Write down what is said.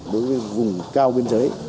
đối với vùng cao biên giới